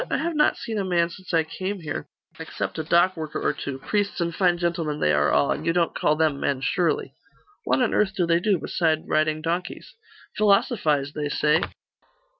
I have not seen a man since I came here, except a dock worker or two priests and fine gentlemen they are all and you don't call them men, surely?' 'What on earth do they do, beside riding donkeys?' 'Philosophise, they say.